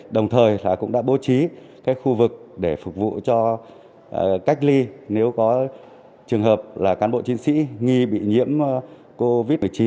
đồng thời cũng đã bố trí khu vực để phục vụ cho cách ly nếu có trường hợp là cán bộ chiến sĩ nghi bị nhiễm covid một mươi chín